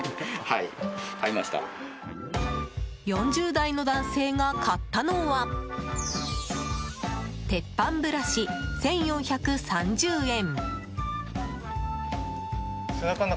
４０代の男性が買ったのは鉄板ブラシ、１４３０円。